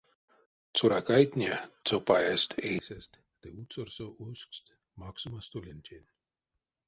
Цёракайтне цопаесть эйсэст ды уцорсо усксть максома столентень.